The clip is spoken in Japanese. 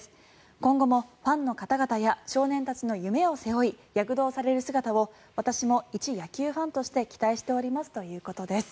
今後もファンの方々や少年たちの夢を背負い躍動される姿を私も一野球ファンとして期待しておりますということです。